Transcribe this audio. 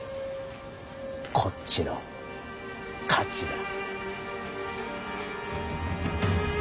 こっちの勝ちだ。